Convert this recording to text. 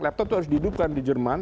laptop itu harus dihidupkan di jerman